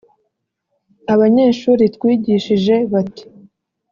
Abanyeshuri twigishije bati